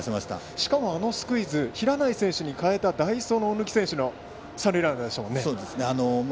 しかもあのスクイズ平内選手に代えた代走の大貫選手三塁ランナーでしたもんね。